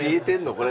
これ。